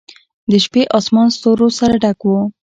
د شپې آسمان ستورو سره ډک و.